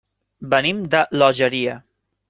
Venim de l'Olleria.